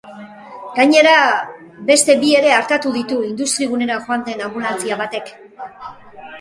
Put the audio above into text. Gainera, beste bi ere artatu ditu industrigunera joan den anbulantzia batek.